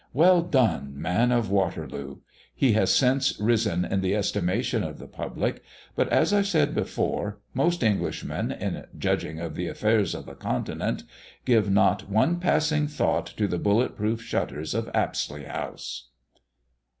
Well done, man of Waterloo! He has since risen in the estimation of the public; but, as I said before, most Englishmen, in judging of the affairs of the Continent, give not one passing thought to the bullet proof shutters of Apsley House.